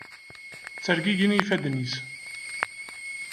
Ttergigin yifadden-is.